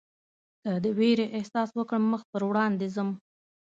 که د وېرې احساس وکړم مخ پر وړاندې ځم.